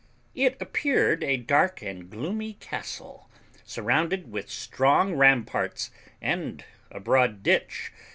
It appeared a dark and gloomy castle, surrounded with strong ramparts, and a broad ditch.